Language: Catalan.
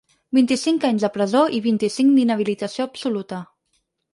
Vint-i-cinc anys de presó i vint-i-cinc d’inhabilitació absoluta.